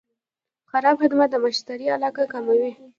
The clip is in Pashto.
خراب خدمت د مشتری علاقه کموي.